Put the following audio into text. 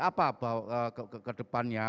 apa ke depannya